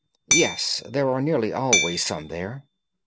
"Yes, there are nearly always some there."